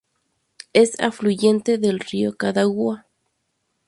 Es afluente del río Cadagua.